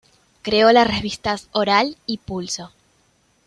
Creó las revistas "Oral" y "Pulso".